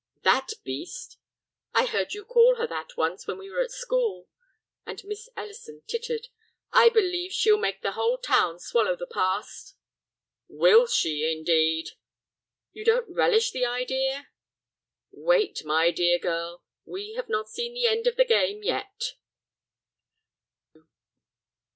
"That beast?" "I heard you call her that once when we were at school," and Miss Ellison tittered; "I believe she'll make the whole town swallow the past." "Will she—indeed!" "You don't relish the idea?" "Wait, my dear girl; we have not seen the end of the game yet."